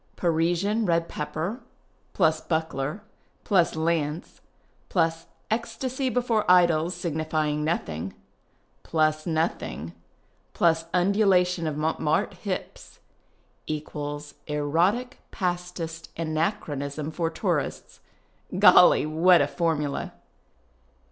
" Parisian red pepper + buckler + lance + ecstasy before idols signifying nothing + nothing + undulation of Montmartre hips = erotic Pastist anachronism for tourists." Golly, what a formula